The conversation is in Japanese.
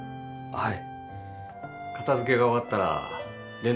はい。